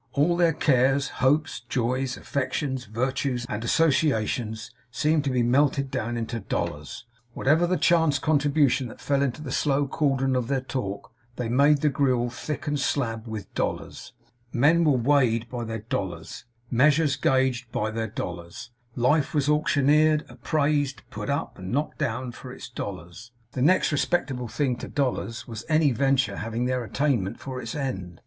All their cares, hopes, joys, affections, virtues, and associations, seemed to be melted down into dollars. Whatever the chance contributions that fell into the slow cauldron of their talk, they made the gruel thick and slab with dollars. Men were weighed by their dollars, measures gauged by their dollars; life was auctioneered, appraised, put up, and knocked down for its dollars. The next respectable thing to dollars was any venture having their attainment for its end.